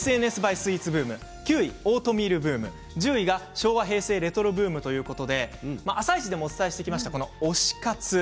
スイーツブーム９位はオートミールブーム１０位は昭和平成レトロブーム「あさイチ」でもお伝えしてきた推し活、